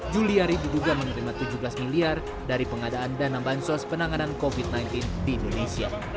juliari diduga menerima tujuh belas miliar dari pengadaan dana bansos penanganan covid sembilan belas di indonesia